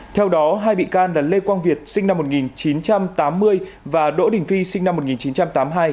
theo đó hai bị can là lê quang việt sinh năm một nghìn chín trăm tám mươi và đỗ đình phi sinh năm một nghìn chín trăm tám mươi hai